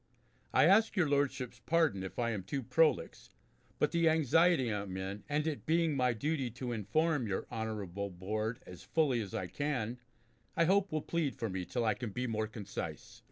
I ask your Lordships' pardon if I am too prolix, but the anxiety I am in, and it being my duty to inform your honourable Board as fully as I can, I hope will plead for me till I can be more concise.